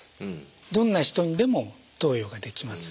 どんな人にでも投与ができます。